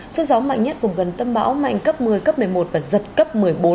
sức gió mạnh nhất vùng gần tâm bão mạnh cấp một mươi cấp một mươi một và giật cấp một mươi bốn